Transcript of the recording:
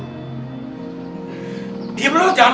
coba kalo kemaren kita berangkat haji bareng